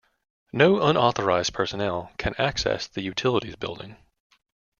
No unauthorized personnel can access the utilities building.